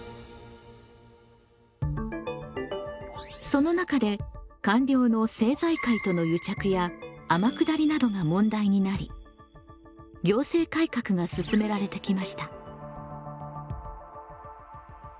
その中で官僚の政財界との癒着や天下りなどが問題になり行政改革が進められてきました。